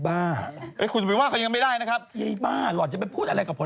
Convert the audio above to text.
ไม่เกี่ยวไม่เสียกัน